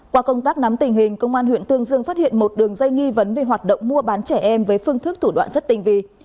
qua công tác nắm tình hình công an huyện tương dương phát hiện một đường dây nghi vấn về hoạt động mua bán trẻ em với phương thức thủ đoạn rất tinh vi